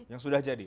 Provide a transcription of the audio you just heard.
yang sudah jadi